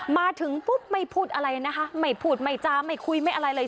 มาถึงปุ๊บไม่พูดอะไรนะคะไม่พูดไม่จาไม่คุยไม่อะไรเลย